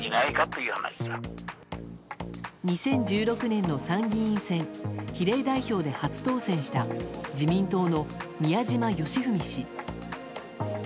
２０１６年の参議院選比例代表で初当選した自民党の宮島喜文氏。